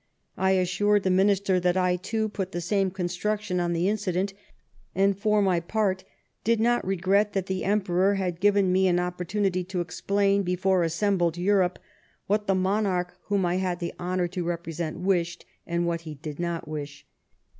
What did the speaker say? I assured the minister that I, too, put the same construction on the incident ; and, for my part, did not regret that the Emperor had given me an opportunity to explain before assembled Europe what the monarch whom I had the honour to represent wished, and what he did not wish.